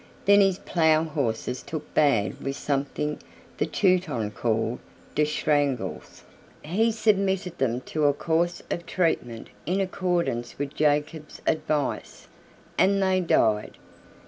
Then his plough horses took bad with some thing the Teuton called "der shtranguls." He submitted them to a course of treatment in accordance with Jacob's advice and they died.